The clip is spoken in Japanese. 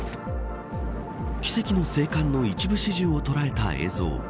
奇跡の生還の一部始終を捉えた映像。